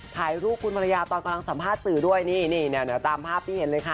ถ่ายรูปคุณภรรยาตอนกำลังสัมภาษณ์สื่อด้วยนี่นี่ตามภาพที่เห็นเลยค่ะ